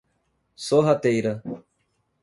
Sorrateira